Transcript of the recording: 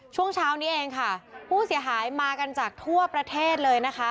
ช่วงเช้านี้เองค่ะผู้เสียหายมากันจากทั่วประเทศเลยนะคะ